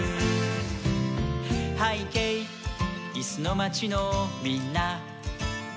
「はいけいいすのまちのみんな」